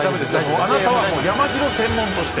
あなたはもう山城専門として。